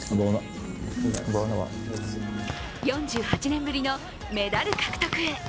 ４８年ぶりのメダル獲得へ。